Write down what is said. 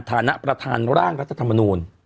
ฐานะประธานร่างรัฐธรรมนูล